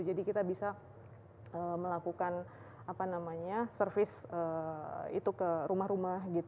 jadi kita bisa melakukan apa namanya service itu ke rumah rumah sendiri